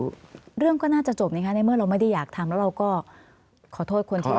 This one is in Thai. คือเรื่องก็น่าจะจบนะคะในเมื่อเราไม่ได้อยากทำแล้วเราก็ขอโทษคนที่